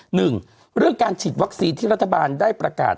หนึ่งเรื่องการฉีดวัคซีนที่รัฐบาลได้ประกาศ